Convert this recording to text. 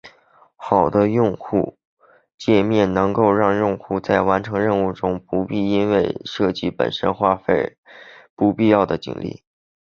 好的用户界面设计能够让用户在完成任务时不必因为设计本身花费不必要的精力。